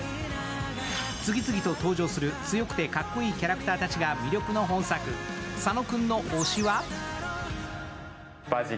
次々と登場する強くてかっこいいキャラクターたちが魅力の本作、佐野君の推しは？